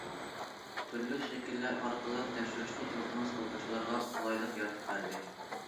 تۈرلۈك شەكىللەر ئارقىلىق تەكشۈرۈشنى ئىلتىماس قىلغۇچىلارغا قولايلىق يارىتىپ بەردى.